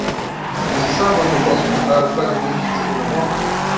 Você sabe onde eu posso comprar um clarinete de segunda mão?